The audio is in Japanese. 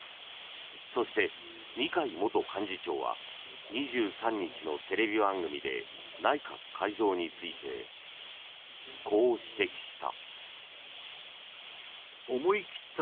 そして、二階元幹事長は２３日のテレビ番組で内閣改造についてこう指摘した。